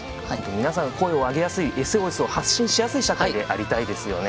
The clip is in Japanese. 皆さん声を上げやすいＳＯＳを発信しやすい社会でありたいですよね。